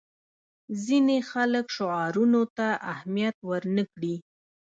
ځینې خلک شعارونو ته اهمیت ورنه کړي.